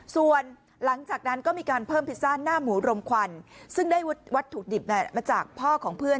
ส่วนหลังจากนั้นก็มีการเพิ่มพิซซ่าหน้าหมูรมควันซึ่งได้วัตถุดิบมาจากพ่อของเพื่อน